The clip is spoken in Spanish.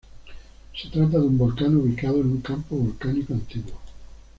Se trata de un volcán ubicado en un campo volcánico antiguo.